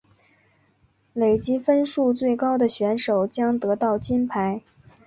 累积分数最高的选手将得到金牌。